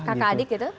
kakak adik gitu